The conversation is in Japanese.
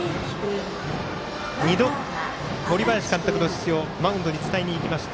２度、森林監督の指示をマウンドに伝えに行きました